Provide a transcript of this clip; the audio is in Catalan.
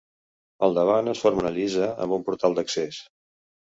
Al davant es forma una lliça amb un portal d'accés.